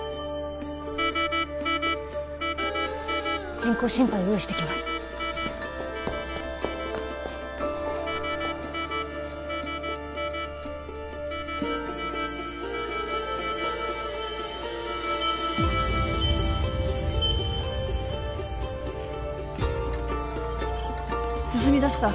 人工心肺を用意してきます進みだした！